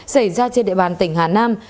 xảy ra trên địa bàn tỉnh hà nam